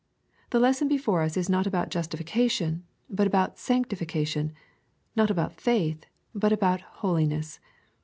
The lesson before us is not about justification, but about sanctification, — not about faith, but about holiness.